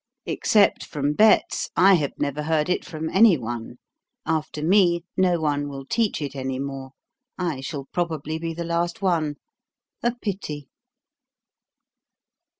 Except from Betz, I have never heard it from any one. After me no one will teach it any more. I shall probably be the last one. A pity